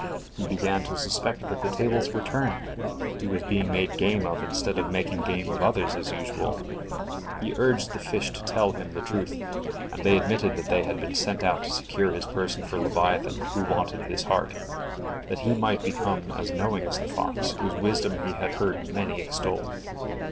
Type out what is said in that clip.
He began to suspect that the tables were turned; he was being made game of instead of making game of others as usual. He urged the fish to tell him the truth, and they admitted that they had been sent out to secure his person for leviathan, who wanted his heart, that he might become as knowing as the fox, whose wisdom he had heard many extol.